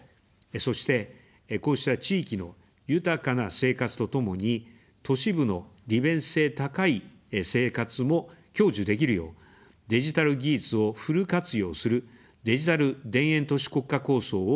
そして、こうした地域の豊かな生活とともに、都市部の利便性高い生活も享受できるよう、デジタル技術をフル活用する「デジタル田園都市国家構想」を進めます。